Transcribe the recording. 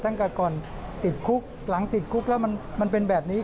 ตั้งแต่ก่อนติดคุกหลังติดคุกแล้วมันเป็นแบบนี้